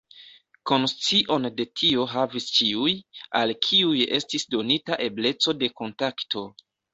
Konscion de tio havis ĉiuj, al kiuj estis donita ebleco de kontakto.